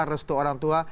restu orang tua